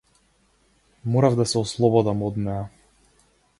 Морав да се ослободам од неа.